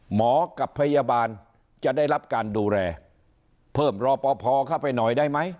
หมอกับพยาบาลจะได้รับการดูแลเพิ่มรอปภเข้าไปหน่อยได้ไหม